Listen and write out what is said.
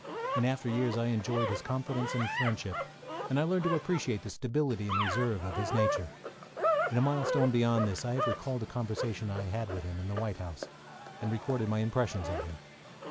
In after years I enjoyed his confidence and friendship, and I learned to appreciate the stability and reserve of his nature. In a Milestone beyond this, I have recalled a conversation I had with him at the White House, and recorded my impressions of him.